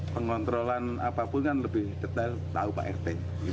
pengontrolan apapun kan lebih detail tahu pak rt